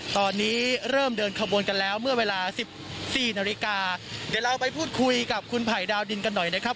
ตอนนี้เริ่มเดินขบวนกันแล้วเมื่อเวลาสิบสี่นาฬิกาเดี๋ยวเราไปพูดคุยกับคุณไผ่ดาวดินกันหน่อยนะครับ